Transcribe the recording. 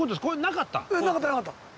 なかったなかった。